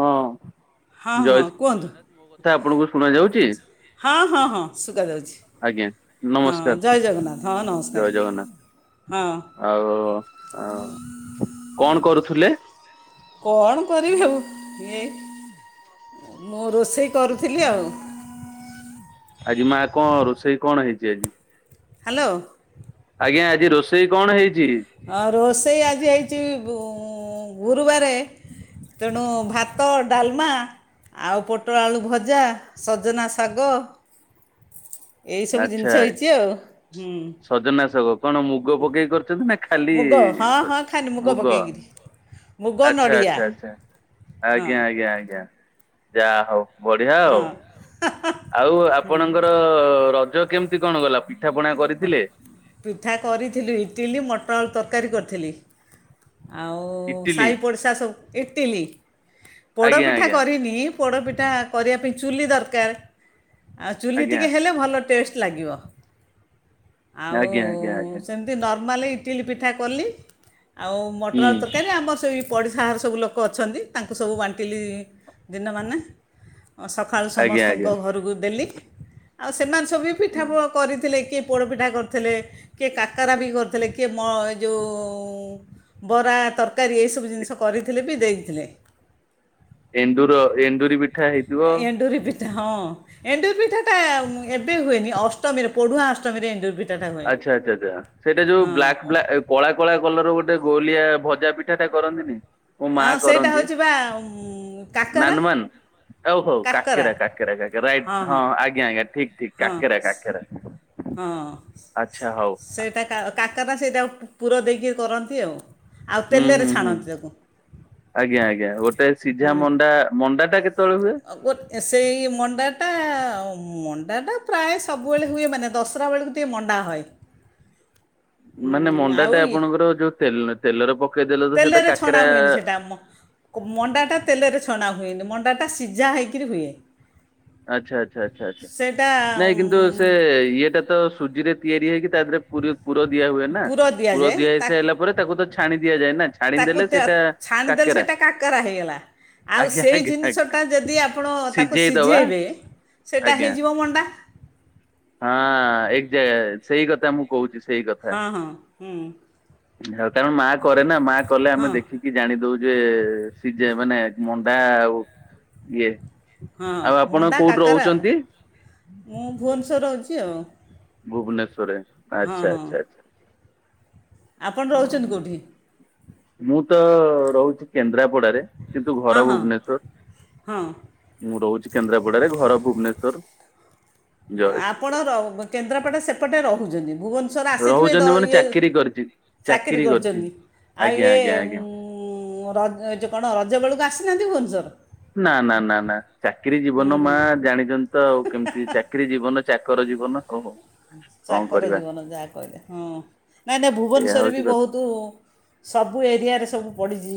ହଁ। ହଁ ଜୟ ହଁ ଶ୍ରୀ କୁହନ୍ତୁ, ଜଗନ୍ନାଥ ମୋ କଥା ଆପଣଙ୍କୁ ଶୁଣା ଯାଉଛି? ହଁ-ହଁ-ହଁ ଶୁଗା ଯାଉଚି। ଆଜ୍ଞା ହଁ ନମସ୍କାର ଜୟ ଜଗନ୍ନାଥ, ହଁ ନମସ୍କାର, ଜୟ ଜଗନ୍ନାଥ ହଁ। ଆଉ ଆଉ କଣ କରୁଥିଲେ? କଣ କରିବି ଆଉ, ଏଇ ମୁଁ ରୋଷେଇ କରୁଥିଲି ଆଉ। ଆଜି ମା କଁ ରୋଷେଇ କଣ ହେଇଚି ଆଜି? ହାଲୋ। ଆଜ୍ଞା ଆଜି ରୋଷେଇ କଣ ହେଇଚି? ହଁ ରୋଷେଇ ଆଜି ହେଇଚି ବୁଁ ଗୁରୁବାରେ, ତେଣୁ ଭା ତ, ଡାଲମା ଆଉ ପୋଟଳ ଆଳୁ ଭଜା, ସଜନା ଶାଗ। ଏଇସବୁ ଆଚ୍ଛା ଜିନିଷ ହେଇଚି ଆଉ ହୁଁ। ସଜନା ଶାଗ କଣ ମୁଗ ପକେଇ କରିଚନ୍ତି ନା ଖାଲି ମୁଗ ହଁ ଶ ହଁ ଖାଲି ମୁଗ? ପକେଇକିରି ମୁଗ ନଡ଼ିଆ ଆଚ୍ଛା-ଆଚ୍ଛା-ଆଚ୍ଛା ହଁ ଆଜ୍ଞା-ଆଜ୍ଞା-ଆଜ୍ଞା ଯା ହଉ। ବଢିଆ ଆଉ। ହଁ। ଆଉ ଆପଣଙ୍କର ରଜ କେମିତି କଣ ଗଲା ପିଠାପଣା କରିଥିଲେ? ପିଠା କରିଥିଲି ଇଟିଲି, ମଟର ଆଳୁ ତରକାରୀ କରିଥିଲି। ଆଉ ଇଟିଲି ସାଇ ପଡ଼ିଶା ସବୁ ଇଟିଲି, ଆଜ୍ଞା ପୋଡ଼ପିଠା ଆଜ୍ଞା କରିନି। ପୋଡ଼ପିଠା କରିବା ପାଇଁ ଚୁଲି ଦରକାର, ଆଉ ଚୁଲି ଆଜ୍ଞା ଟିକେ ହେଲେ ଭଲ ଟେଷ୍ଟ ଲାଗିବ। ଆଉ ଆଜ୍ଞା ଆଜ୍ଞା ଆଜ୍ଞା। ସେମିତି ନର୍ମାଲ ଇଟିଲି ପିଠା କଲି। ଆଉ ମଟର ହୁଁ ଆଳୁ ତରକାରୀ ଆମର ସେଇ ପଡ଼ିଶା ଘର ସବୁ ଲୋକ ଅଛନ୍ତି ତାଙ୍କୁ ସବୁ ବାଣ୍ଟିଲି ଦିନମାନେ। ଓ ସଖାଳୁ ଆଜ୍ଞା ସମସ୍ତଙ୍କ ଆଜ୍ଞା। ଘରକୁ ଦେଲି। ଆଉ ସେମାନେ ସବୁ ପିଠାପ କରିଥିଲେ କିଏ ପୋଡ଼ପିଠା କରିଥିଲେ, କିଏ କାକରା ବି କରିଥିଲେ, କିଏ ମ ଏ ଯଉଁ ବରା ତରକାରୀ ଏଇସବୁ ଜିନିଷ କରିଥିଲେ ବି ଦେଇଥିଲେ। ଏଣ୍ଡୁର ଏଣ୍ଡୁରି ପିଠା ହେଇ ଏଣ୍ଡୁରି ପିଠା ହଁ, ଏଣ୍ଡୁରି ପିଠାଟା ଉଁ ଏବେ ହୁଏନି ଅଷ୍ଟମୀରେ ପୋଢୁଆଁ ଅଷ୍ଟମୀରେ ଏଣ୍ଡୁରି ପି ଆଚ୍ଛା-ଆଚ୍ଛା-ଆଚ୍ଛା ସେଇଟା ଯୋଉ ବ୍ଲାକ ବ୍ଲା କଳା କଳା କଲରର ଗୋଟେ ଗୋଲିଆ ଭଜା ପିଠାଟା କରନ୍ତିନି। ମୋ ମା ହଁ ସେଇଟା କରନ୍ତି ହଉଚି ବା ଉଁ କାକେରା। ଆଉ ହଉ କାକେରା-କାକେରା-କାକେରା ରାଇଟ୍ ହଁ ଆଜ୍ଞା ଆଜ୍ଞା ଠିକ୍ ଠିକ୍। ହଁ ହଁ ଆଚ୍ଛା ହଉ ସେଇଟା କା କାକରା ସେଇଟା ପୁ-ପୁର ଦେଇକି କରନ୍ତି ଆଉ, ଆଉ ହୁଁ ତେଲରେ ହୁଁ ହୁଁ ଛାଣନ୍ତି ତାକୁ। ଆଜ୍ଞା ଆଜ୍ଞା ଗୋଟେ ସିଝା ମଣ୍ଡା ମଣ୍ଡାଟା କେତେବେଳେ ହୁଏ? ଅ ଗୋ ସେଇ ମଣ୍ଡାଟା ମଣ୍ଡାଟା ପ୍ରାୟେ ସବୁବେଳେ ହୁଏ ମାନେ ଦଶରା ବେଳକୁ ଟିକେ ମଣ୍ଡା ହଏ। ମାନେ ଆଉ ମଣ୍ଡାଟା ଇଏ ଆପଣଙ୍କର ଯୋଉ ତେଲ ତେଲରେ ପକେଇ ଦେଲେ ତ ସେଇଟା କାକେରା ଆମ ମଣ୍ଡାଟା ତେଲରେ ଛଣା ହୁଏନି, ମଣ୍ଡାଟା ସିଝା ହେଇକିରି ହୁଏ। ଆଚ୍ଛା-ଆଚ୍ଛା-ଆଚ୍ଛା-ଆଚ୍ଛା ସେଇଟା ନାଇଁ ଉଁ, କିନ୍ତୁ ସେ ଇଏଟା ତ ସୁଜିରେ ତିଆରି ହେଇକି ତା ଧେରେ ପୁରୀ ପୁର ଦିଆ ହୁଏ ନା, ପୁର ଦିଆଯାଏ ଦିଆ ତାକୁ ହେଇସାଇଲା ପରେ ତାକୁ ତ ଛାଣି ଦିଆଯାଏ ନା, ତାକୁ ଛାଣିଦେଲେ ତେ- ସେଇଟା ଛାଣିଦେଲେ କାକେରା ସେଇଟା କାକରା ହେଇଗଲା। ଆଉ ଆଜ୍ଞା ସେଇ ଆଜ୍ଞା ଆଜ୍ଞା ଜିନିଷଟା ଯଦି ଆପଣ ତାକୁ ସିଝେଇ ଦବା ସିଝେଇବେ ସେଇଟା ଆଜ୍ଞା। ହେଇଯିବ ମଣ୍ଡା। ହଁ ଏକଜା ସେଇ କଥା ମୁଁ କହୁଚି ସେଇ କଥା ହଁ ହଁ ହୁଁ କାରଣ ମା କରେ ନା ମା କଲେ ଆମେ ହଁ ଦେଖୁ। କି ଜାଣି ଦଉଜେ ସିଜେ ମାନେ ମଣ୍ଡା ଆଉ ଇଏ। ହଁ ଆଉ ଆପଣ ମଣ୍ଡା କୋଉଠି କାକରା ଆଉ ରହୁଛନ୍ତି? ମୁଁ ଭୁନେଶ୍ୱରରେ ରହୁଚି ଆଉ। ଭୁବନେଶ୍ୱରରେ ହଁ ଆଚ୍ଛା ହଁ ଆଚ୍ଛା ଆଛା। ଆପଣ ରହୁଛନ୍ତି କଉଠି? ମୁଁ ତ ରହୁଛି କେନ୍ଦ୍ରାପଡାରେ କିନ୍ତୁ ହଁ ଘର ହଁ ଭୁବନେଶ୍ଵର। ହଁ ମୁଁ ରହୁଛି କେନ୍ଦ୍ରାପଡାରେ ଘର ଭୁବନେଶ୍ୱର। ଆପଣ ରହ କେନ୍ଦ୍ରାପଡ଼ା ସେପଟେ ରହୁଛନ୍ତି ଭୁବନେ ଷର ଆସିଥିବେ ରହୁଛନ୍ତି ମାନେ ଇଏ ଚାକିରି କରିଛି ଚାକିରି କରିଛି। କରିଛନ୍ତି ଆଉ ଆଜ୍ଞା ଇଏ ଆଜ୍ଞା ଆଜ୍ଞା ଉଁ ରଜ ଏ ଯଉ କଣ ରଜବେେଳକୁ ଆସିନାହାନ୍ତି ଭୁବନେଶ୍ଵର? ନା ନା ନା ନା ଚାକିରି ହୁଁ ଜୀବନ ମା ହୁଁ ଜାଣିଚନ୍ତି ତ ଆଉ କେମିତି ଚାକି ଚାକିରି ଜୀବନ ଚାକର ଜୀବନ କହ ଚାକର ଜୀବନ ଯାହା କହିଲେ ହଁ ନାଇଁ ନାଇ ଏଇଆ ଭୁବନେଶ୍ୱର ରେ ହଉଛି ବି କଥା ବହୁତ ସବୁ ଏରିଆରେ ସବୁ ପଡ଼ିଛି।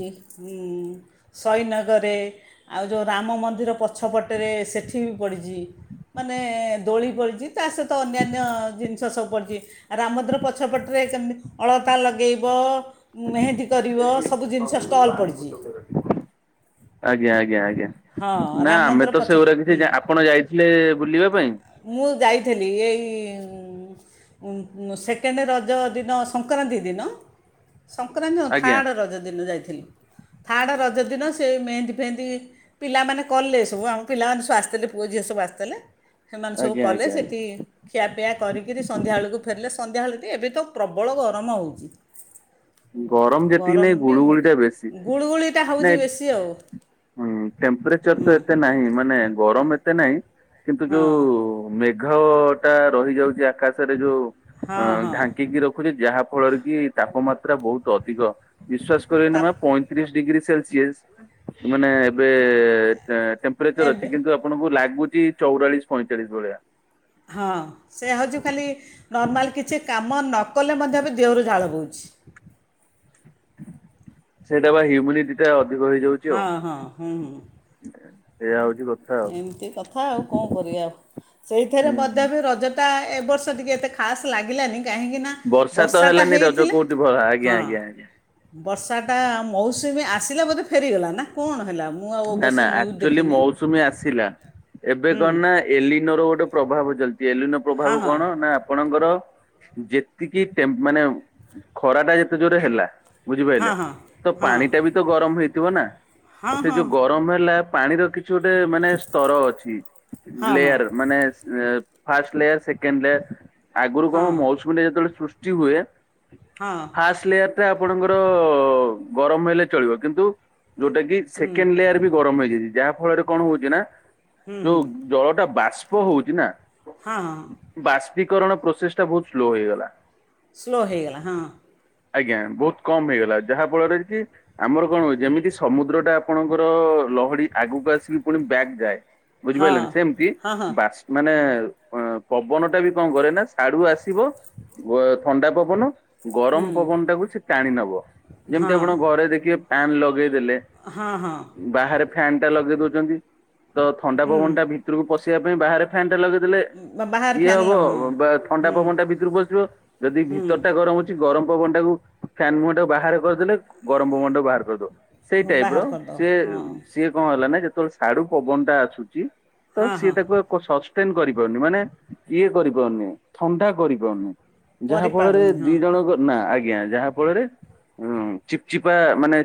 ସହିଦନଗରରେ ଆଉ ଯଉ ରାମ ମନ୍ଦିର ପଛପଟରେ ସେଠି ବି ପଡ଼ିଚି। ମାନେ ଦୋଳି ପଡ଼ିଛି ତା ସହିତ ଅନ୍ୟାନ୍ୟ ଜିନିଷ ସବୁ ପଡ଼ିଛି ରାମମନ୍ଦିରପଛପଟରେ କେମିତି ଅଳତା ଲଗେଇବ। ମେହେନ୍ଦୀ କରିବ ସବୁ ଜିନିଷ ଷ୍ଟଲ୍ ପଡ଼ିଚି। ଆଜ୍ଞା ଆଜ୍ଞା ଆଜ୍ଞା ହଁ ନା ରାମ ଆମେ ମନ୍ଦିର ତ ପଛ ସେଗୁରା କିଛି ହୁଁ ଆପଣ ଯାଇଥିଲେ ବୁଲିବା ପାଇଁ? ମୁଁ ଯାଇଥେଲି ଏଇ ସେକେଣ୍ଡ ରଜ ଦିନ ସଂକ୍ରାନ୍ତି ଦିନ ସଂକ୍ରାନ୍ତି ନୁହେଁ ଆଜ୍ଞା ଥାର୍ଡ଼ ରଜ ଦିନ ଯାଇଥିଲି ଥାର୍ଡ଼ ରଜ ଦିନ ସେ ମେହେନ୍ଦୀ ଫେହେନ୍ଦି ପିଲାମାନେ କଲେ ସବୁ ଆମ ପିଲାମାନେ ସବୁ ଆସିଥିଲେ ପୁଅ ଝିଅ ସବୁ ଆସିଥିଲେ। ସେମାନେ ସବୁ ଆଜ୍ଞା କଲେ ଆଜ୍ଞା ଆଜ୍ଞା ସେଇଠି ଖିଆପିଆ କରିକିରି ସନ୍ଧ୍ୟାବେେଳକୁ ଫେରିଲେ ସନ୍ଧ୍ୟାବେଳ ଏବେ ତ ପ୍ରବଳ ଗରମ ହଉଚି। ଯେତିକି ଗରମ ନାଇଁ ବି ଗୁଳୁଗୁଳି ଟା ବେଶୀ ହଉଚି ଗୁଳୁଗୁଳିଟା ନାଇଁ ହଉଚି ବେଶୀ ଆଉ। ହୁଁ ଟେମ୍ପରେଚର ତ ହୁଁ ଏତେ ନାହିଁ ମାନେ ଗରମ ଏତେ ନାହିଁ କିନ୍ତୁ ହଁ ଯୋଉ ମେ ଘ ଟା ରହି ଯାଉଚି ଆକାଶରେ ଯୋଉ ହଁ ହଁ ଢାଙ୍କିକି ରଖୁ ଖୁଚି ଯାହା ଫଳରେ କି ତାପମାତ୍ରା ବହୁତ ଅଧିକ ବିଶ୍ଵାସ କରିବେନି ତା ମା ପଇଁ ତିରିଶ ଡିଗ୍ରୀ ସେଲସିସ୍ ମାନେ ଏବେଟେପ୍ରେଞ୍ଜର ଅଛି ଏବେ କିନ୍ତୁ ଆପଣଙ୍କୁ ଲାଗୁଛି ଚଉରାଳିଶ ପଇଁଚାଳିଶ ଭଳିଆ ହଁ ସେ ହେଉଛି ଖାଲି ନର୍ମାଲ କିଛି କାମ ନକଲେ ମଧ୍ୟ ବି ଦେହରୁ ଝାଳ ବୋଉଛି। ସେଇଟା ବା ହ୍ୟୁମିଟି ଟା ଅଧିକ ହେଇଯାଉଛି। ହଁ ଆଉ ହଁ ହୁଁ ହୁଁ। ସେଇଆ ହଉଛି କଥା। ଆଉ। ଏମିତି କଥା ଆଉ କଣ କରିବା ଆଉ ସେଇଥିରେ ହୁଁ ହୁଁ ମଧ୍ୟ ବି ରଜ ତା ଏ ବର୍ଷ ଟିକେ ଏତେ ଖାସ୍ ଲାଗିଲାନି କାହିଁକି ନା ବର୍ଷା ତ ହେଲାନି ରଜ କୋଉଠି ଭଲ ଆଜ୍ଞା ହଁ ଆଜ୍ଞା ଆଜ୍ଞା। ବର୍ଷାଟା ମୌସୁମୀ ଆସିଲା ବୋଧେ ଫେରିଗଲା ନା କଣ ହେଲା? ମୁଁ ଆଉ ନା ଅବଶ୍ୟ ନା ନ୍ୟୁଜ୍ ଆକୁଚୁଆଲି ଦେଖିନି ମୌସୁମୀ ଆସିଲା। ଏବେ ହୁଁ କଣ ନା ଏଲିନର ଗୋଟେ ପ୍ରଭାବ ଚାଲିଛି ଏଲିନ ହଁ ପ୍ରଭାବ କଣ ନା ଆପଣଙ୍କର ଯେତିକିଟେପ୍ରେ ମାନେ ଖରାଟା ଯେତେ ଜୋରେ ହେଲା। ବୁଝିପାଇଲେ ହଁ ତ ହଁ ପାଣି ଟା ବି ତ ଗରମ ହେଇଥିବ ନା ହଁ ହଁ ସେ ହଁ ଯୋଉ ଗରମ ହେଲା ପାଣିର କିଛି ଗୋଟେ ମାନେ ସ୍ତର ଅଛି ହଁ ହଁ ଲେୟାର ମାନେ ଫାଷ୍ଟେ ଲେୟାର ସେକେଣ୍ଡ ଲେୟାର ଆଗରୁ କଣ ହଁ ମୌ [inaudible] ଯେତେବେଳେ ସୃଷ୍ଟି ହୁଏ। ହଁ। ଫାଷ୍ଟ ଲେୟାର ଟା ଆପଣଙ୍କର ଗରମ ହେଲେ ଚଳିବ କିନ୍ତୁ ଯୋଉଟା କି ହୁଁ ଚିକେନ ଲେୟାର ବି ଗରମ ହେଇଯାଇଛି ଯାହା ଫଳରେ କଣ ହଉଛି ନା ହୁଁ ଯୋଉ ହୁଁ ଜଳ ଟା ବାଷ୍ପ ହଉଛି ନା ହଁ ବାଷ୍ପୀକରଣ ପ୍ରୋସେସ ଟା ବହୁତ ସ୍ଲୋ ହେଇଗଲା ସ୍ଲୋ ହେଇଗଲା ହଁ ଆଜ୍ଞା ବହୁତ କମ ହେଇଗଲା ଯାହା ଫଳରେ କି ଆମର କଣ ହୁଏ ଯେମିତି ସମୁଦ୍ର ଟା ଆପଣଙ୍କର ଲହଡି ଆଗକୁ ଆସିକି ପୁଣି ବ୍ୟାଗ ଯାଏ ହଁ ବୁଝିପାଇଲେ ସେମତି ହଁ ହଁ ମାନେ ଅ ପବନ ଟା ବି କଣ କରେ ନା ସିଆଡୁ ଆସିବ ଗୋ ଥଣ୍ଡା ପବନ ହୁଁ ଗରମ ପବନ ଟାକୁ ସେ ଟାଣି ନବ ଯେମିତି ହଁ ଆପଣ ଘରେ ଦେଖି ଫ୍ୟାନ ଲଗେଇଦେଲେ ହଁ ହଁ ବାହାରେ ଫ୍ୟାନ ଟା ଲଗେଇ ଦଉଛନ୍ତି ତ ଥଣ୍ଡା ପବନ ଟା ଭିତରକୁ ପଶିବା ପାଇଁ ବାହାରେ ଫ୍ୟାନ ଟା ଲଗେଇ ଯେତେହେଲେ ହଁ ବାହାର ଇଏ ଫ୍ୟାନ୍ ଲ ହବ ହଁ ବା ଥଣ୍ଡା ପବନ ଟା ହୁଁ ଭିତରୁ ବସିବ ଯଦି ଭିତର ଟା ଗରମ କିଛି ଗରମ ପବନ ଟାକୁ ଫ୍ୟାନ ମୁହଁ ଟାକୁ ବାହାରରେ କରିଦେଲେ ଗରମ ପବନ ଟାକୁ ବାହାର କରିଦବା ସେଇ ହୁଁ ଟାଇପର ବାହାର କରିଦେବ ସିଏ ହଁ ସିଏ କଣ ହେଲା ନା ଯେତେବେଳେ ସିଆଡୁ ପବନ ଟା ଆସୁଛି ତ ହଁ ସିଏ ହଁ ତାକୁ ସସେଣ୍ଟେ କରି ପାରୁନି ମାନେ ଇଏ କରି ପାରୁନି ଥଣ୍ଡା କରି ପାରୁନି ଯାହା ଫଳରେ କରିପାରୁନି ଦି ହଁ ଜଣ ନା ଆଜ୍ଞା ଯାହା ଫଳରେ ଉଁ ଚିପଚିପା ମାନେ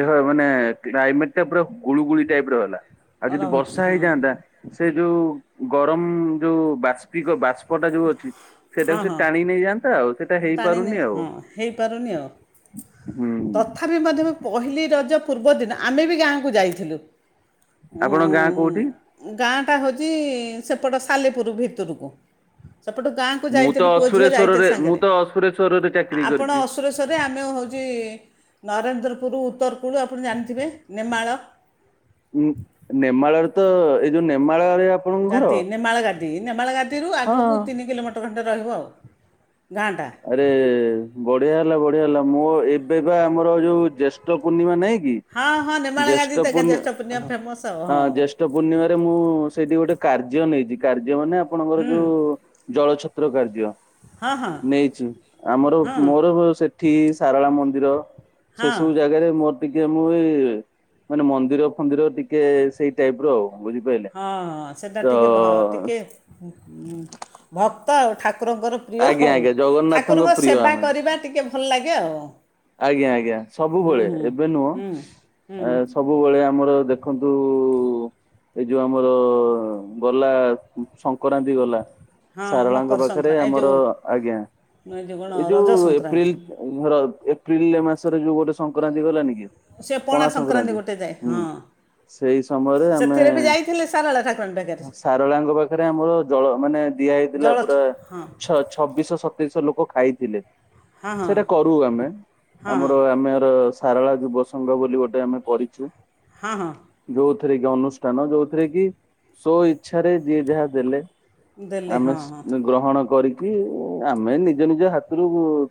ଦେହ ମାନେ କ୍ରାଇମେଟ ଟେ ପା ଗୁଳୁଗୁଳି ଟାଇପର ହେଲା ଆଉ ଯଦି ରହୁଛି ବର୍ଷା ହଁ ହେଇଯାଆନ୍ତା ସେ ଯୋଉ ଗରମ ଯୋଉ ବାସ୍ପ ବାଷ୍ପଟା ଯୋଉ ଅଛି ହଁ ସେଇଟାକୁ ସେ ହଁ ଟାଣି ନେଇଯାଆନ୍ତା ଆଉ ସେଇଟା ଟାଣିନି ହେଇପାରୁନି ଆଉ ହଁ ହେଇପାରୁନି ଆଉ ହୁଁ ତଥାପି ମଧ୍ୟ ପହିଲି ରଜ ପୂର୍ବଦିନ ଆମେ ବି ଗାଁକୁ ଯାଇଥିଲୁ ଉଁ ଆପଣଙ୍କ ଗାଁ କୋଉଠି? ଉଁ ଗାଁଟା ହେଉଛି ସେପଟ ସାଲେପୁର ଭିତରକୁ ସେପଟୁ ଗାଁକୁ ମୁଁ ତ ଯାଇଥିଲୁ ପୁଅ ଝିଅ ଯାଇଥିଲ ଅସୁରେଶ୍ଵରରେ ମୁଁ ସାଙ୍ଗରେ ତ ଅସୁରେଶ୍ଵରରେ ଚାକିରି ଆପଣ କରିଛି। ଅସୁରେଶୂ ଶୂରେ ଆମେ ହେଉଛି ନରେନ୍ଦ୍ରପୁର ଉତ୍ତରକୂଳ ଆପଣ ଜାଣିଥିବେ ନେମାଳ ଉଁ ନେମାଳରେ ତ ଏଇ ଯୋଉ ନେମାଳ ଗାଦି ନେମାଳ ଗାଦି ନେମାଳ ଗାଦିରୁ ହଁ ଆଗକୁ ତିନି କିଲୋମିଟର ହାତେ ଖଣ୍ଟେ ରହିବ ଆଉ ଗାଁଟା ଆରେ ବଢିଆ ହେଲା ବଢିଆ ହେଲା ମୋ ଏବେ ବା ଆମର ଯୋଉ ଜ୍ୟେଷ୍ଠ ପୂର୍ଣ୍ଣିମା ନାହିଁ କି ହଁ ହଁ ନିର୍ମାଳ ଜ୍ୟେଷ୍ଠ ଗାଧ ତ ଏକା ଜ୍ୟେଷ୍ଠ ପୁଣ୍ୟ ଫେମସ ଆଉ ହଁ ପ ପୂର୍ଣ୍ଣିମାରେ ମୁଁ ସେଇଠି ଗୋଟେ କାର୍ଯ୍ୟ ନେଇଛି କାର୍ଯ୍ୟ ମାନେ ଆପଣଙ୍କର ହୁଁ ଯୋଉ ଜଳଛତ୍ର କାର୍ଯ୍ୟ ହଁ ହଁ ନେଇଚୁ ଆମର ହଁ ମୋର ସେଠି ସାରଳା ମନ୍ଦିର ସେ ହଁ ସବୁ ଜାଗାରେ ମୋର ଟିକେ ମୁଁ ଏଇ ମାନେ ମନ୍ଦିର ଫନ୍ଦିର ଟିକେ ସେଇ ଟାଇପ ର ଆଉ ବୁଝିପାରିଲେ ହଁ ସେଟା ତ ଟିକେ ଟିକେ ଭକ୍ତ ଆଉ ଠାକୁରଙ୍କର ପ୍ରିୟ ଆଜ୍ଞା ହଉ ଆଜ୍ଞା ଜଗନ୍ନାଥଙ୍କ ଠାକୁରଙ୍କ ପ୍ରିୟ ସେବା ଆମେ କରିବା ଟିକେ ଭଲ ଲାଗେ ଆଉ ଆଜ୍ଞା ଆଜ୍ଞା ହୁଁ ସବୁବେଳେ ହୁଁ ଏବେ ନୁହଁ ହୁଁ ଆ ହୁଁ ସବୁବେଳେ ଆମର ଦେଖନ୍ତୁ ଏଇ ଯୋଉ ଆମର ଗଲା ସଂକରନ୍ତି ଗଲା ହଁ ସାରଳାଙ୍କ ମକର ପାଖରେ ସଂକ୍ରାନ୍ତି ଏ ଆମର ଯେଉଁ ଆଜ୍ଞା ଏ ଯେଉଁ କ'ଣ ଏଇ ରଜ ଯୋଉ ସଂକ୍ରାନ୍ତି ଏପ୍ରିଲ ଧର ଏପ୍ର ବିଲେ ମାସରେ ଯୋଉ ଗୋଟେ ସଂକ୍ରାନ୍ତି ଗଲାନି କି ସେ ପଣା ସଂକ୍ରାନ୍ତି ଗୋଟେ ଯାଏ ହୁଁ ହଁ ସେଇ ସମୟରେ ଆମେ ସେଥିରେ ବି ଯାଇଥିଲେ ସାରଳା ଠାକୁରାଣୀ ପାଖରେ ସାରଳାଙ୍କ ପାଖରେ ଆମର ଜଳ ମାନେ ଦିଆ ହେଇଥିଲା ଜଳ ପୁରା ହଁ ଛବିଶ ସତେଇଶ ଲୋକ ଖାଇଥିଲେ ହଁ ହଁ ସେଟା କରୁ ଆମେ ହଁ ଆମର ଆମେର ସାରଳା ଯୁବ ସଂଘ ବୋଲି ଗୋଟେ ଆମେ କରିଛୁ ହଁ ହଁ। ଯୋଉଥିରେ କି ଅନୁଷ୍ଠାନ ଯୋଉଥିରେ କି ସ୍ଵ ଇଚ୍ଛା ରେ ଯିଏ ଯାହା ଦେଲେ। ଦେଲେ ଆମେ ହଁ ହଁ ହୁଁ। ଗ୍ରହଣ କରିକି ଆମେ ନିଜ ନିଜ ହାତରୁ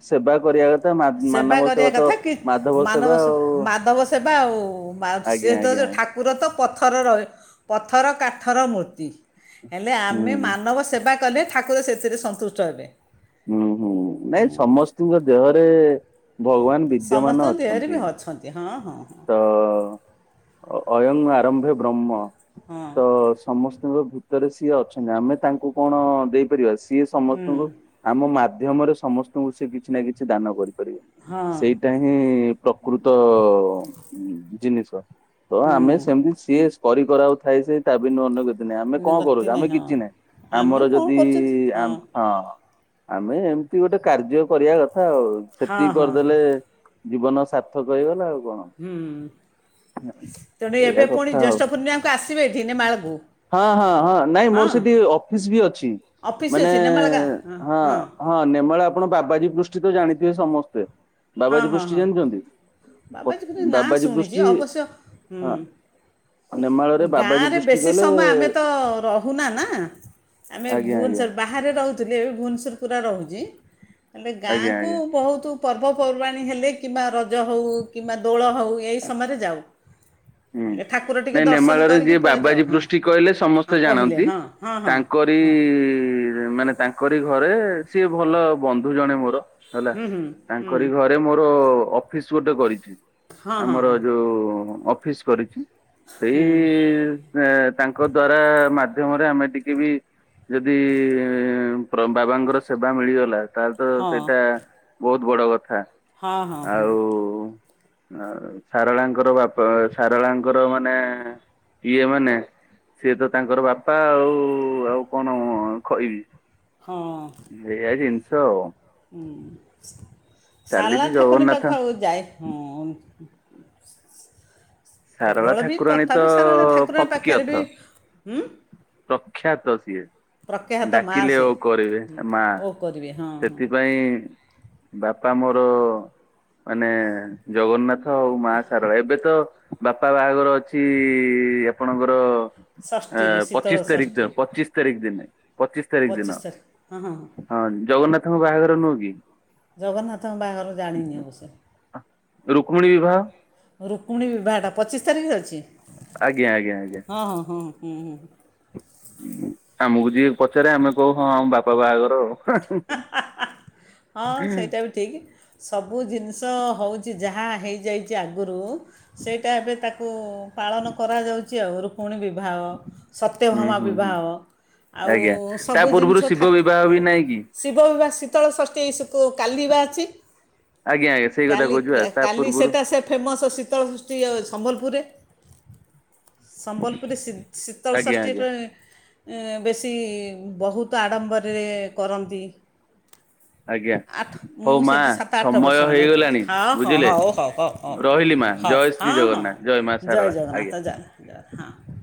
ସେବା କରିବା କଥା। ସେବା ମାନବ କରିବା ସହତ କଥା କି ମା ମାନବ ସେ ମାଧବ ସେବା ଆଉ ସେ ଆଜ୍ଞା ଆଜ୍ଞା ଯଉ ଠାକୁ ପୁର ତ ପଥର ରହ ପଥର କାଠର ମୂର୍ତ୍ତି ହେଲେ ଆମେ ହୁଁ। ମାନବ ସେବା କଲେ ଠାକୁର ସେଥିରେ ସନ୍ତୁଷ୍ଟ ହେବେ। ହୁଁ ହୁଁ ନାଇଁ ସମସ୍ତଙ୍କ ଦେହରେ ଭଗବାନ ବିଦ୍ୟମାନ ସମସ୍ତଙ୍କ ଦେହରେ ବି ଅଛନ୍ତି। ଅଛନ୍ତି ହଁ ହଁ। ତ ଅୟଂ ଆରମ୍ଭେ ବ୍ରହ୍ମ ହଁ ତ ସମସ୍ତଙ୍କ ଭିତରେ ସିଏ ଅଛନ୍ତି ଆମେ ତାଙ୍କୁ କଣ ଦେଇପାରିବା। ସିଏ ହୁଁ ସମସ୍ତଙ୍କୁ ଆମ ମାଧ୍ୟମରେ ସମସ୍ତଙ୍କୁ ସେ କିଛି ନା କିଛି ଦାନ କରିପାରିବେ। ହଁ ସେଇଟା ହିଁ ପ୍ରକୃତ ଜିନିଷ। ତ ଆମେ ହୁଁ ସେମିତି ସିଏ କରି କରାଉ ଥାଏ ସେ ତା ବିନୁ ଅନ୍ୟ ଗ ଆମେ କଣ ଗତି କରୁଛୁ ଆମେ ହଁ କିଛି ନାହିଁ ଆମେ ଆମର କଣ ଯଦି କରୁଛନ୍ତି ହଁ ହଁ ଆମେ ଏମିତି ଗୋଟେ କାର୍ଯ୍ୟ କରିବା କଥା ଆଉ ହଁ ସେତିକି ହଁ କରିଦେଲେ ଜୀବନ ସାର୍ଥକ ହେଇଗଲା ଆଉ କଣ ହୁଁ ତେଣୁ ଏଇଆ ଏବେ ପୁଣି କଥା ଆଉ ଜ୍ୟେଷ୍ଠ ପୂର୍ଣ୍ଣିମାଙ୍କୁ ଆସିବେ ଏଠି ମାଳକୁ ହଁ ହଁ ହଁ ନାଇଁ ମୋର ସେଠି ଅଫିସ ବି ଅଛି ଅଫିସ୍ ମାନେ ଅଛି ନେମାଳ ଗାଁ ହଁ ହଁ ନେମଳ ଆପଣ ବାବାଜୀ ପୃଷ୍ଟି ତ ଜାଣିଥିବେ ସମସ୍ତେ। ହଁ ବାବାଜୀ ହଁ ପୃଷ୍ଟି ହଁ ଜାଣିଛନ୍ତି ବାବାଜୀ କିନ୍ତୁ ନାଁ ବାବାଜୀ ଶୁଣିଛି ପୃଷ୍ଟି ଅବଶ୍ୟ ହୁଁ ହଁ। ନେମାଳ ରେ ବାବାଜୀ ଗାଁରେ ବୃଷ୍ଟି ବେଶୀ କଲେ ସମୟ ଆମେ ତ ରହୁନା ନା ଆମେ ଆଜ୍ଞା ଆଜ୍ଞା ଭୁବନେଶ୍ୱର ବାହାରେ ରହୁଥିଲେ ଏବେ ଭୁବନେଶ୍ୱର ପୁରା ରହୁଛି ହେଲେ ଆଜ୍ଞା ଗାଁକୁ ଆଜ୍ଞା ବହୁତ ପର୍ବପର୍ବାଣୀ ହେଲେ କିମ୍ବା ରଜ ହୋଉ କିମ୍ବା ଦୋଳ ହୋଉ ଏହିଇ ସମୟରେ ଯାଉ। ହୁଁ। ହେଲେ ଠାକୁର ଟିକେ ନାଇଁ ଦର୍ଶନ ନେମାଳରେ କରିକି ଯିଏ ବାବାଜୀ ପଳେଇଯାଅ ହଁ ପୃଷ୍ଟି କହିଲେ ଆଉ ସମସ୍ତେ କହିଲେ ଜାଣନ୍ତି। ହଁ। ହଁ ହଁ ତାଙ୍କରି ହଁ ମାନେ ତାଙ୍କରି ଘରେ ସିଏ ଭଲ ବନ୍ଧୁ ଜଣେ ମୋର ହେଲା ହୁଁ ହୁଁ ହୁଁ ତାଙ୍କରି ଘରେ ସେ ମୋର ଅଫିସ ଗୋଟେ କରିଛୁ ହଁ ହଁ ଆମର ଯୋଉ ଅଫିସ କରିଛୁ। ସେଇ ଏ ତାଙ୍କ ଦ୍ଵାରା ମାଧ୍ୟମରେ ଆମେ ଟିକେ ବି ଯଦି ବାବାଙ୍କର ସେବା ମିଳିଗଲା। ତାହେଲେ ତ ହଁ ହଁ ସେଇଟା ବହୁତ ବଡ କଥା ହଁ ହଁ ହଁ ଆଉ ଆ ସାରଳାଙ୍କର ବାପା ସାରଳାଙ୍କର ମାନେ ଇଏ ମାନେ ସିଏ ତ ତାଙ୍କର ବାପା ଆଉ ଆଉ କଣ କହିବି। ହଁ। ଏଇଆ ଜିନିଷ। ସଲନା ଚାଲିଛି ଠାକୁନ ଜଗନ୍ନାଥ ପାଘରୁ ଯାଇ ହଁ। ସାରଳା ପ୍ରବଳ ବି ଠାକୁରାଣୀ ତ ତଥାପି ସାରଳା ଠାକୁରଙ୍କ ପାଖରେ ବି ପାକ୍ୟାର୍ଥ। ହୁଁ ପ୍ରଖ୍ୟାତ ସି ଏ। ପ୍ରଖ୍ୟାତ ମାଆ ଡାକିଲେ ସେ ଓ କରିବେ ହୁଁ ମା ଓ କରିବେ ହଁ ହଁ ସେଥିପାଇଁ ବାପା ମୋର ମାନେ ଜଗନ୍ନାଥ ଆଉ ମା ସାରଳା ଏବେ ତ ବାପା ବାହାଘର ଅଛି ଆପଣଙ୍କର? ଆ ଷଷ୍ଠୀରେ ଶୀତଳ ପଚିଶ ତାରିଖ ଷଷ୍ଠୀ ଦିନ ପଚିଶ ତାରିଖ ଦିନେ। ପଚିଶି ତାରିଖ ପଚିଶ ଦିନ ତାରିଖ ହଁ ହଁ ଜଗନ୍ନାଥଙ୍କ ବାହାଘର ନୁହ କି? ଜଗନ୍ନାଥଙ୍କ ବାହାଘର ଜାଣିନି ଏ ବର୍ଷ। ରୁକ୍ମଣୀ ବିବାହ? ରୁକ୍ମଣୀ ବିବାହଟା ପଚିଶି ତାରିଖରେ ଅଛି। ଆଜ୍ଞା ଆଜ୍ଞା ଆଜ୍ଞା। ହଁ ହଁ ହୁଁ ହୁଁ। ହଁ ଆମକୁ ଯି ପଚାରେ ଆମେ କହୁ ହଁ ଆମ ବାପା ବାହାଘର ଆଉ ହଁ ସେଇଟା ବି ଠିକ ସବୁ ଜିନିଷ ହେଉଛି ଯାହା ହେଇଯାଇଛି ଆଗରୁ ସେଇଟା ଏବେ ତାକୁ ପାଳନ କରାଯାଉଛି ଆଉ ପୁଣି ବିବାହ ହୁଁ ସତ୍ୟଭାମ ହୁଁ ହୁଁ ବିବାହ ଆଉ ଆଜ୍ଞା ତା ସବୁ ଜିନିଷ ପୂର୍ବରୁ ଶିବ ବିବାହ ଠାକୁ ବି ନାଇଁ କି? ଶିବିବା ଶୀତଳ ଷଷ୍ଠୀ କାଲିିବା ଅଛି ଆଜ୍ଞା ଆଜ୍ଞା ସେଇ କଥା କାଲି କହୁଛୁ ବା ତା କାଲି ପୂର୍ବରୁ ସେଇଟା ସେ ଫେମସ୍ ଶୀତଳ ସୃଷ୍ଟି ସମ୍ବଲପୁରରେ ସମ୍ବଲପୁରରେ ଆଜ୍ଞା ଶୀତଳଷଷ୍ଠୀ ଆଜ୍ଞା ପାଇଁ ବେଶୀ ବହୁତ ଆଡ଼ମ୍ବରରେ କରନ୍ତି ଆଜ୍ଞା ଆଠ ମୁଁ ହଉ ମା ସେଇଠି ସାତ ଆଠ ସମୟ ବର୍ଷ ଖଣ୍ଡେ ରହୁଛି ହେଇଗଲାଣି ହଁ ହଁ ବୁଝିଲେ। ହଉ ହଉ ହଉ ହଉ ରହିଲି ମା ହଉ ଜୟ ହଁ ଶ୍ରୀ ହଁ ଜଗନ୍ନାଥ ମା ହଁ ଜୟ ଶାରଳା ଆଜ୍ଞା। ଜଗନ୍ନାଥ ଜୟନାଥ ଜଗନ୍ନାଥ ହଁ